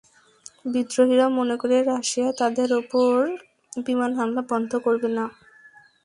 বিদ্রোহীরা মনে করে রাশিয়া তাদের ওপর বিমান হামলা বন্ধ করবে না।